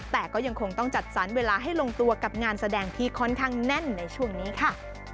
แต่ก็ยังคงต้องจัดสรรเวลาให้ลงตัวกับงานแสดงที่ค่อนข้างแน่นในช่วงนี้ค่ะ